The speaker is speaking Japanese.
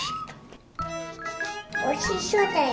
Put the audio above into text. おいしそうだよ。